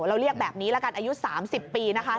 เราเรียกแบบนี้ละกันอายุ๓๐ปีนะคะ